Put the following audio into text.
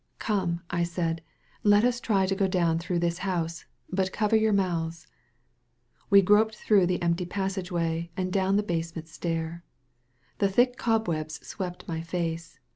"Come," I said, "let us try to go down through this house. But cover your mouths." We groped through the empty passageway, and down the basement stair. The thick cobwebs swept my face.